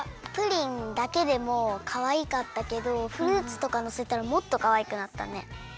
プリンだけでもかわいかったけどフルーツとかのせたらもっとかわいくなったね。